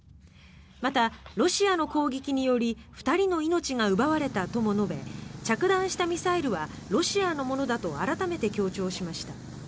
またロシアの攻撃により２人の命が奪われたとも述べ着弾したミサイルはロシアのものだと改めて強調しました。